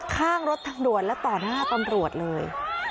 ข้างรถทางด่วนและต่อหน้าตำรวจเลย